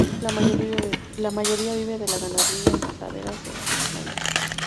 La mayoría vive de la ganadería en las laderas de las montañas.